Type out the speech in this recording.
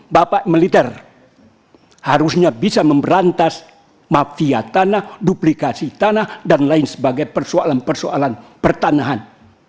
bapak militer harusnya bisa memberantas mafia tanah duplikasi tanah dan lain sebagainya persoalan persoalan pertanahan